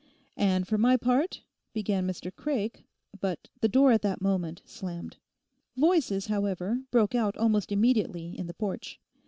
'And for my part—' began Mr Craik; but the door at that moment slammed. Voices, however, broke out almost immediately in the porch.